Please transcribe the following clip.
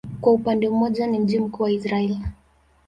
Kwa upande mmoja ni mji mkuu wa Israel.